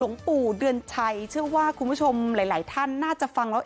ปู่เดือนชัยเชื่อว่าคุณผู้ชมหลายท่านน่าจะฟังแล้ว